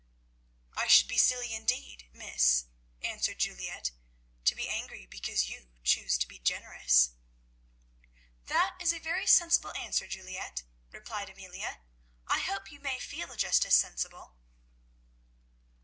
"I should be silly indeed, miss," answered Juliette; "to be angry because you choose to be generous." "That is a very sensible answer, Juliette," replied Amelia, "I hope you may feel just as sensible."